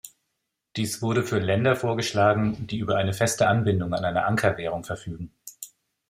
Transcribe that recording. Dies wurde für Länder vorgeschlagen, die über eine feste Anbindung an eine Ankerwährung verfügen.